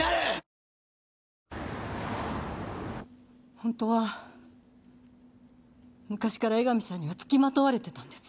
本当は昔から江上さんには付きまとわれてたんです。